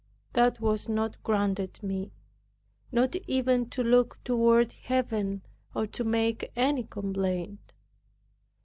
That was not granted me, not even to look toward Heaven, or to make any complaint.